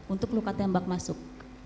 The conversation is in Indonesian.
untuk luka tembak masuk